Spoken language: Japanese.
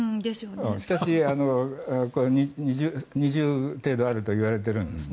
しかし、２０程度あるといわれているんですね。